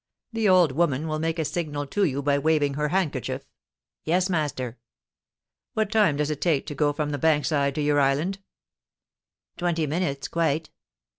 The old woman will make a signal to you by waving her handkerchief.' 'Yes, master.' 'What time does it take to go from the bank side to your island?' 'Twenty minutes, quite.'